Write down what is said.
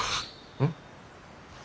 うん？